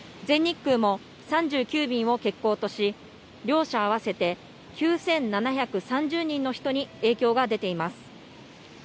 全日空も３９便を欠航とし、両社合わせて９７３０人の人に影響が出ています。